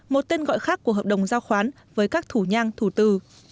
một tên gọi khác của hợp đồng giao khoán với các thủ nhang thủ từ